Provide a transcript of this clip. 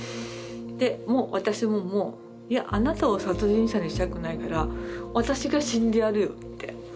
でもう私ももういやあなたを殺人者にしたくないから私が死んでやるよって。